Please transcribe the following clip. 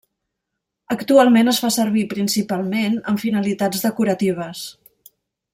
Actualment es fa servir principalment amb finalitats decoratives.